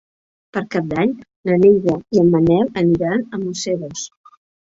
Per Cap d'Any na Neida i en Manel aniran a Museros.